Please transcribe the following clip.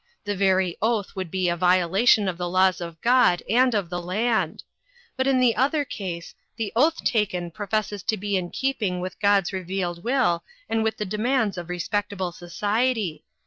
The very oath would be a violation of the laws of God and of the land; but in the other case, the oath taken professes to be in keeping with God's revealed will and with the demands of respectable society.